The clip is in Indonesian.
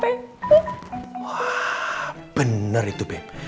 wah bener itu beb